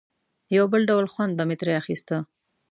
یو بل ډول خوند به مې ترې اخیسته.